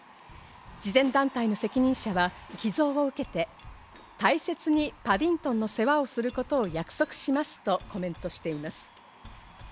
慈善団体の責任者は寄贈を受けて、大切にパディントンの世話をすることを約束しますとコメントしています。